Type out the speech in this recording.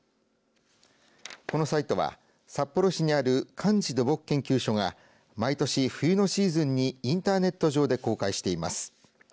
このサイトは札幌市にある寒地土木研究所が毎年、冬のシーズンにインターネット上で公開しています。